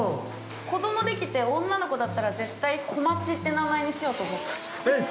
子供できて女の子だったら絶対「小町」って名前にしようと思った。